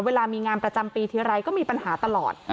เวลามีงานประจำปีทีไรก็มีปัญหาตลอด